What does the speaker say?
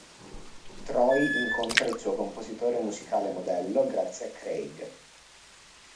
Troy incontra il suo compositore musicale modello grazie a Craig.